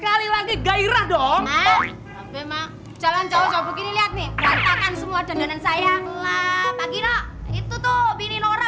sekali lagi gairah dong memang jalan cowok cowok ini lihat nih semua dendam saya itu tuh bini nora